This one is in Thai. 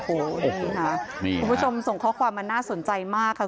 โอ้โหดูสิค่ะนี่คุณผู้ชมส่งข้อความมาน่าสนใจมากค่ะ